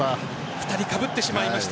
２人かぶってしまいました。